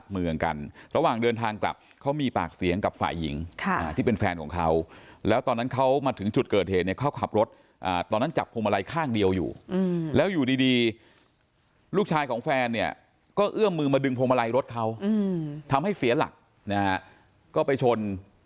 เมื่อวานนี้นายปริวัติอ้างว่าก่อนเกิดเหตุขับรถพานางสามารถเกิดขึ้น